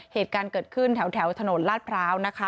เหตุการณ์เกิดขึ้นแถวถนนลาดพร้าวนะคะ